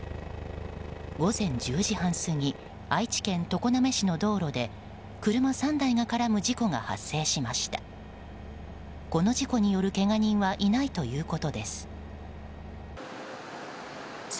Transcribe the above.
午前１０時半過ぎ愛知県常滑市の道路で車３台が絡む事故が発生しました。